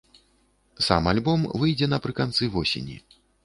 Сам альбом выйдзе напрыканцы восені.